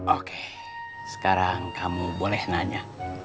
oke sekarang kamu boleh nanya